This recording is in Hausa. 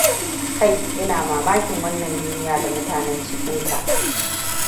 Kai ina mamakin wannan duniya da mutanan cikinta!